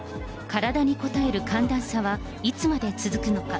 体にこたえる寒暖差はいつまで続くのか。